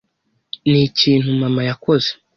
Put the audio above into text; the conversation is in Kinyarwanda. Ni ikintu mama yakoze.